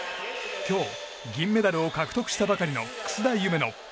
今日、銀メダルを獲得したばかりの楠田夢乃。